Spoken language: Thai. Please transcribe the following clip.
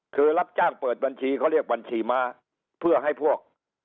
คือรับจ้างเปิดบัญชีเขาเรียกบัญชีม้าเพื่อให้พวก